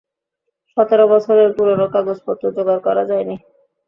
সতের বছরের পুরানো কাগজপত্র জোগাড় করা যায় নি।